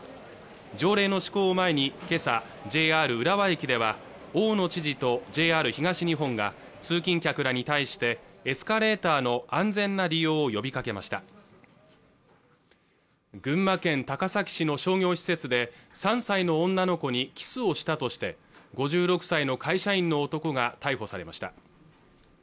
条例の施行を前にけさＪＲ浦和駅では大野知事とＪＲ東日本が通勤客らに対してエスカレーターの安全な利用を呼びかけました群馬県高崎市の商業施設で３歳の女の子にキスをしたとして５６歳の会社員の男が逮捕されました